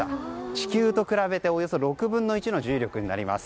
地球と比べておよそ６分の１の重力になります。